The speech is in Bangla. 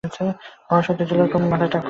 বয়স হইতে চলিল, ক্রমেই মাথায় টাক পড়িতে চলিল।